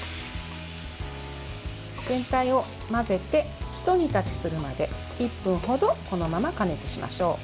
全体を混ぜてひと煮立ちするまで１分ほどこのまま加熱しましょう。